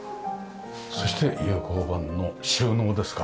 そして有孔板の収納ですか？